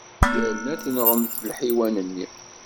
Yerna ad tenɣem lḥiwan-nni.